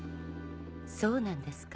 そうなんですか。